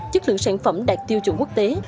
chất lượng sản phẩm đạt tiêu chuẩn quốc tế